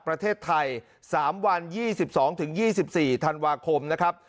ประเทศไทย๓วัน๒๒๒๔ธันวาคมนะครับ